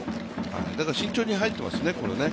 だから慎重に入っていますね。